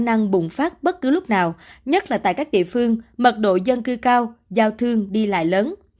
năng bùng phát bất cứ lúc nào nhất là tại các địa phương mật độ dân cư cao giao thương đi lại lớn